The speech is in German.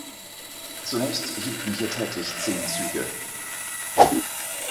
Zunächst hielten hier täglich zehn Züge.